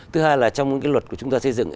thứ hai là trong cái luật của chúng ta xây dựng